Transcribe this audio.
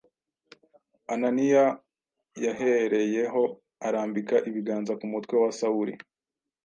Ananiya yahereyeho arambika ibiganza ku mutwe wa Sawuli